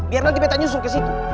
biar nanti peta nyusul ke situ